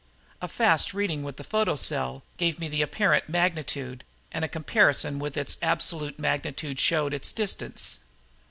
A fast reading with the photocell gave me the apparent magnitude and a comparison with its absolute magnitude showed its distance.